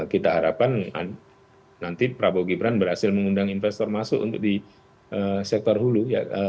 kita harapkan nanti prabowo gibran berhasil mengundang investor masuk untuk di sektor hulu